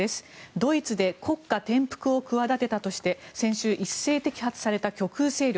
ドイツで国家転覆を企てたとして先週、一斉摘発された極右勢力。